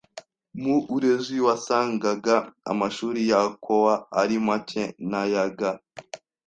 Mu urezi wasangaga amashuri y’akowa ari make n’ayaga